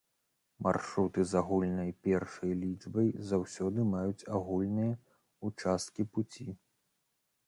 Маршруты з агульнай першай лічбай заўсёды маюць агульныя ўчасткі пуці.